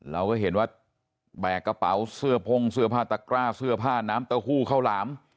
เราก็เห็นว่าแบกกระเป๋าเสื้อพ่งเสื้อผ้าตะกร้าเสื้อผ้าน้ำเต้าหู้ข้าวหลาม